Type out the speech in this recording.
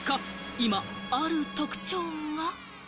今、ある特徴が。